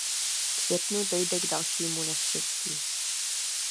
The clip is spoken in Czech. V květnu dojde k dalšímu neštěstí.